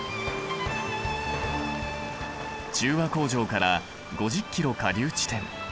中和工場から５０ｋｍ下流地点。